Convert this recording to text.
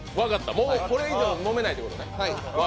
もうこれ以上飲めないってことね。